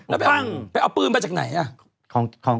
แล้วไปเอาปืนมาจากไหนอ่ะ